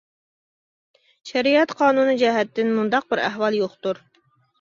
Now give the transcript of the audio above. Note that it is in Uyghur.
شەرىئەت قانۇنى جەھەتتىن مۇنداق بىر ئەھۋال يوقتۇر.